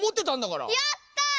やった！